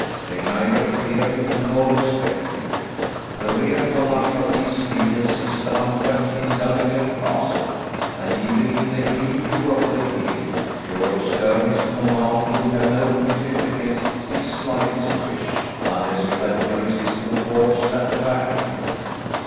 They neither fear him nor respect him. The real monarch of these regions is the humpback in Dunvegan Castle; and even if they knew you were the king, your sternest command would have no effect against his slightest wish, unless you had irresistible force at the back of you."